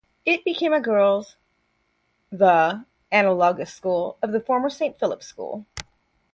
It became a girls' the analogous school of the former Saint Philip's School.